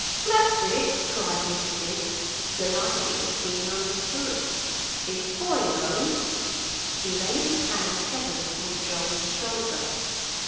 "That's it," cried Mr. Biggs, delighted at being understood. "This boy knows." He laid his hand heavily on Joel's shoulder.